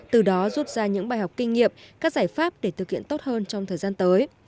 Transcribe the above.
từ đó rút ra những bài học kinh nghiệm các giải pháp để thực hiện tốt hơn trong thời gian tới